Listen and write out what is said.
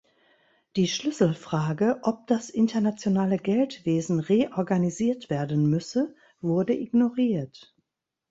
Die Schlüsselfrage, ob das internationale Geldwesen reorganisiert werden müsse, wurde ignoriert.